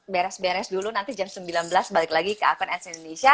beres beres dulu nanti jam sembilan belas balik lagi ke akun ats indonesia